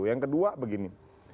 yang kedua begini